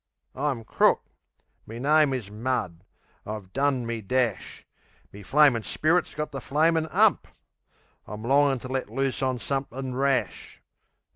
I'm crook; me name is Mud; I've done me dash; Me flamin' spirit's got the flamin' 'ump! I'm longin' to let loose on somethin' rash....